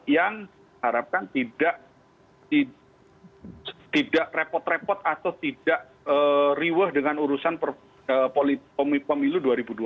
yang harapkan tidak repot repot atau tidak riwah dengan urusan pemilu dua ribu dua puluh